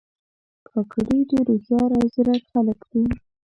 کاکړي ډېر هوښیار او زیرک خلک دي.